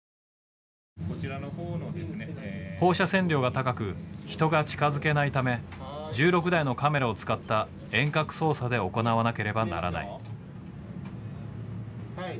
放射線量が高く人が近づけないため１６台のカメラを使った遠隔操作で行わなければならない。